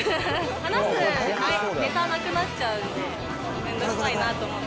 話すネタなくなっちゃうんで、面倒くさいないと思って。